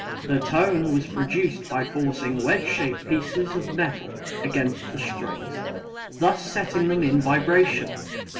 The tone was produced by forcing wedge shaped pieces of metal against the strings, thus setting them in vibration.